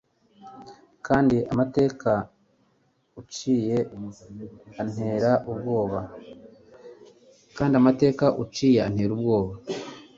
kandi amateka uciye antera ubwoba